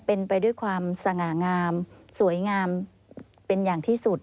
เป็นไปด้วยความสง่างามสวยงามเป็นอย่างที่สุด